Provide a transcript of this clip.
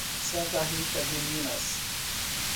Santa Rita de Minas